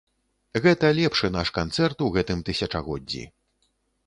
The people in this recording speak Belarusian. Гэта лепшы наш канцэрт у гэтым тысячагоддзі.